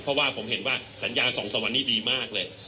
เพราะว่าผมเห็นว่าสัญญา๒๓วันนี้ดีมากเลย